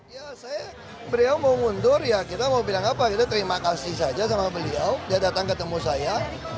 ya saya beliau mau mundur ya kita mau bilang apa kita terima kasih saja sama beliau dia datang ketemu saya